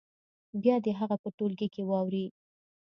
بیا دې هغه په ټولګي کې واوروي.